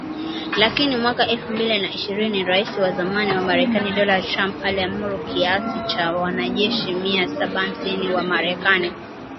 Lakini mwaka elfu mbili na ishirini Rais wa zamani wa Marekani Donald Trump aliamuru kiasi cha wanajeshi mia saba hamsini wa Marekani